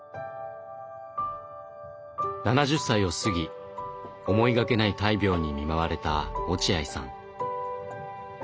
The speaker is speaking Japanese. ７０歳を過ぎ思いがけない大病に見舞われた落合さん。